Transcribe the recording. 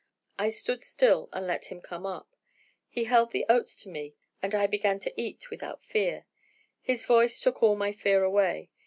I stood still and let him come up; he held the oats to me, and I began to eat without fear; his voice took all my fear away.